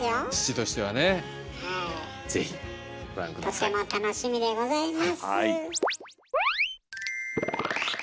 とても楽しみでございます。